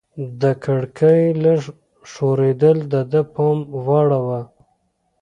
د کړکۍ لږ ښورېدل د ده پام واړاوه.